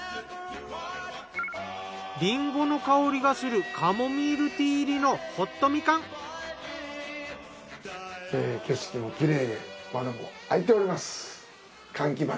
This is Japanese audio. りんごの香りがするカモミールティー入りの景色もきれいで窓も開いております。